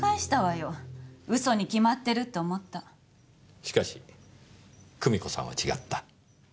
しかし久美子さんは違った。